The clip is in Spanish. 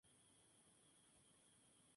La serie se emite los viernes.